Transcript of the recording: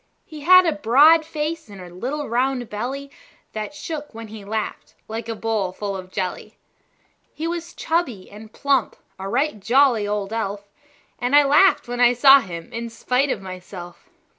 He had a broad face, and a little round belly That shook when he laughed, like a bowl full of jelly. He was chubby and plump a right jolly old elf; And I laughed when I saw him in spite of myself.